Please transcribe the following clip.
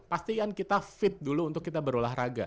pastikan kita fit dulu untuk kita berolahraga